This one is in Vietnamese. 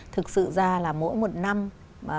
thực sự ra là mỗi một năm